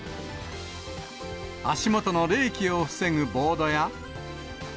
足元の冷気を防ぐボードや。